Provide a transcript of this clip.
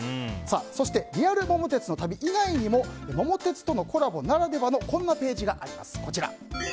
そして、リアル桃鉄の旅以外にも「桃鉄」とのコラボならではのこんなページがあります。